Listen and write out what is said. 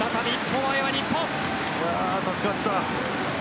助かった。